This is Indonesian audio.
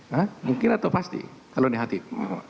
ya mungkin atau pasti kalau negatif